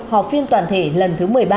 học phiên toàn thể lần thứ một mươi ba